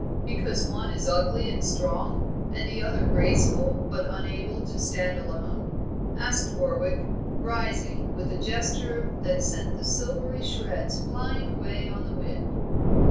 "Because one is ugly and strong, the other graceful but unable to stand alone?" asked Warwick, rising, with a gesture that sent the silvery shreds flying away on the wind.